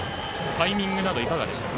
タイミングなどいかがでしたか。